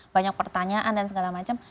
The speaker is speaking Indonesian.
banyak pertanyaan dan segala macam